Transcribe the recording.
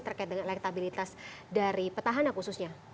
terkait dengan elektabilitas dari petahana khususnya